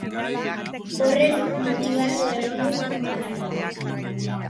Horrek motibatu egin du jokalaria.